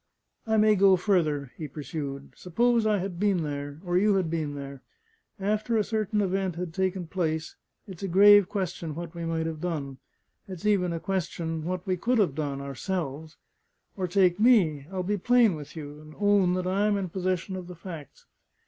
"I may go further," he pursued. "Suppose I had been there, or you had been there: after a certain event had taken place, it's a grave question what we might have done it's even a question what we could have done ourselves. Or take me. I will be plain with you, and own that I am in possession of the facts.